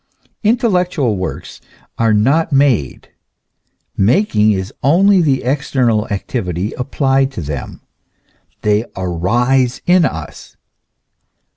Intellectual works are not made, making is only the external activity applied to them ; they arise in us.